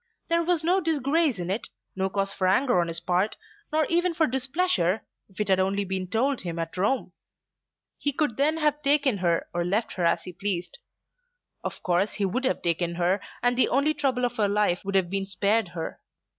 There was no disgrace in it, no cause for anger on his part, nor even for displeasure if it had only been told him at Rome. He could then have taken her, or left her as he pleased. Of course he would have taken her, and the only trouble of her life would have been spared her.